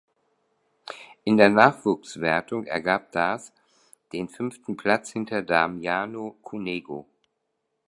In der Nachwuchswertung ergab das den fünften Platz hinter Damiano Cunego.